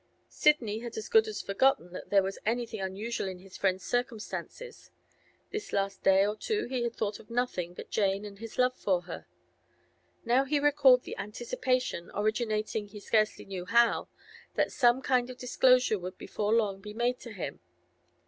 Sidney had as good as forgotten that there was anything unusual in his friend's circumstances; this last day or two he had thought of nothing but Jane and his love for her. Now he recalled the anticipation—originating he scarcely knew how—that some kind of disclosure would before long be made to him.